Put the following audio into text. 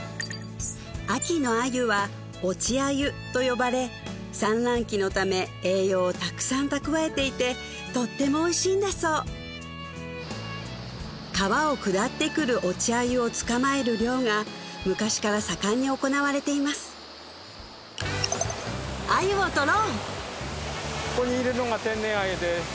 秋の鮎は落ち鮎と呼ばれ産卵期のため栄養をたくさん蓄えていてとってもおいしいんだそう川を下ってくる落ち鮎を捕まえる漁が昔から盛んに行われています鮎を獲ろう